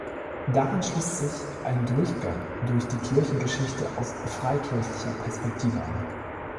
Daran schließt sich ein Durchgang durch die Kirchengeschichte aus „freikirchlicher“ Perspektive an.